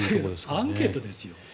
アンケートですよ。